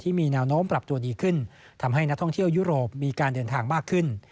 มีแนวโน้มปรับตัวดีขึ้นทำให้นักท่องเที่ยวยุโรปมีการเดินทางมากขึ้น